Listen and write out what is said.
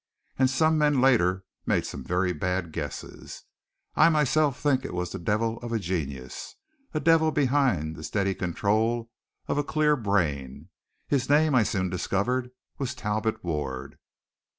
And some men later made some very bad guesses. I myself think it was the devil of genius a devil behind the steady control of a clear brain. His name, I soon discovered, was Talbot Ward.